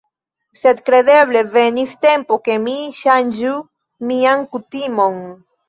Sed kredeble venis tempo, ke mi ŝanĝu mian kutimon.